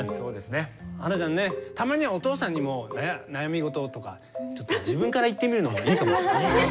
花菜ちゃんねたまにはお父さんにも悩み事とかちょっと自分から言ってみるのもいいかもしれない。